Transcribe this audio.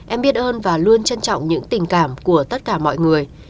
em biết ơn và luôn trân trọng những tình cảm của tất cả mọi người